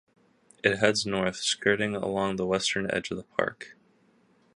It heads north, skirting along the western edge of the park.